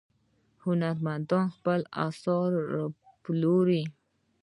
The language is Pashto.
هنرمندان خپل اثار پلوري.